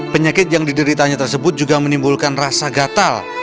penyakit yang dideritanya tersebut juga menimbulkan rasa gatal